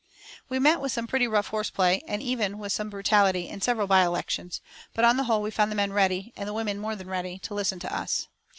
We met with some pretty rough horse play, and even with some brutality, in several by elections, but on the whole we found the men ready, and the women more than ready, to listen to us.